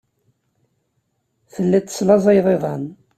Telliḍ teslaẓayeḍ iḍan.